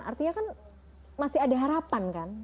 artinya kan masih ada harapan kan